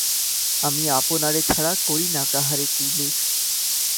আমি আপনারে ছাড়া করি না কাহারে কুর্ণিশ।